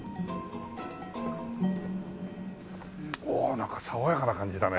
おおなんか爽やかな感じだね！